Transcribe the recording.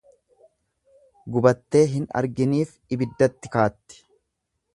Gubattee hin arginiif ibiddatti kaatti.